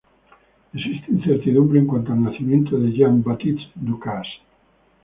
Existe incertidumbre en cuanto al nacimiento de Jean-Baptiste Ducasse.